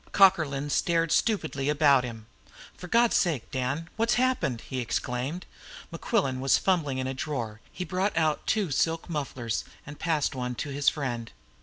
Cockerlyne stared stupidly about him. "For God's sake, Dan, what's happened?" he exclaimed. Mequillen was fumbling in a drawer. He brought out two silk mufflers, and passed one to his friend.